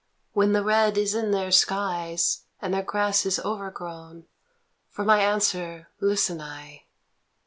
When the red is in their skies, And their grass is overgrown, For my answer listen I."